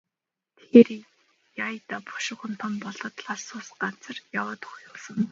Тэгэхээр яая даа, бушуухан том болоод л алс хол газар яваад өгөх юм сан.